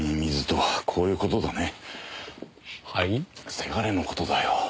せがれの事だよ。